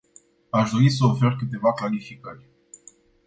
Aș dori să ofer câteva clarificări.